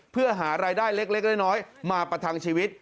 เพื่อหารายได้เล็กน้อยมาประทังชีวิต